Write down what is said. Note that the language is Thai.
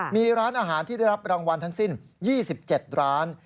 มีร้านอาหารที่ได้รับรางวัลทั้งสิ้น๒๗ร้าน